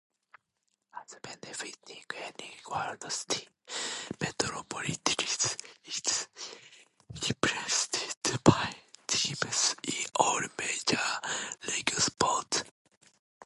As befitting any world city, Metropolis is represented by teams in all major-league sports.